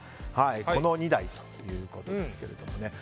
この２台ということですけれども。